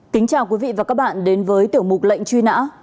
kính chào quý vị và các bạn đến với tiểu mục lệnh truy nã